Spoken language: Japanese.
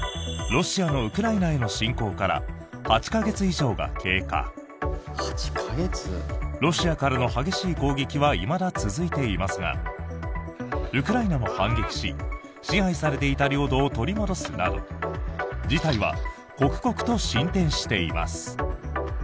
ロシアからの激しい攻撃はいまだ続いていますがウクライナも反撃し支配されていた領土を取り戻すなど事態は刻々と進展しています。